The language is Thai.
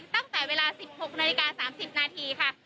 ตั้งแต่เวลา๑๖นาฬิกา๓๐นาทีค่ะ